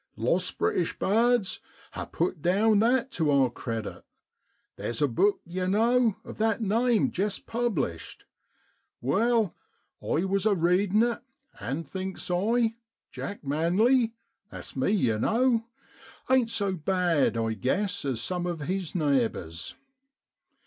Lost British Birds * ha' put down that tu our credit. Theer's a book, you know, of that name jest published. Well, I was a readin' it and thinks I, Jack Manly (that's me, yow know) ain't so bad, I guess, as some of his neighbours.